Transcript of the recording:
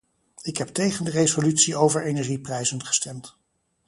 Ik heb tegen de resolutie over energieprijzen gestemd.